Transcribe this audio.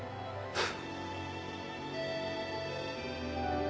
フッ。